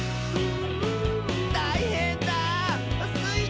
「たいへんだスイ